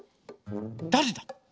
だれだ？